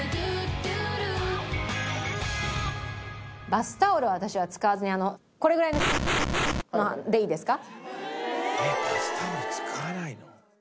バスタオルを私は使わずにこれぐらいのでいいですか？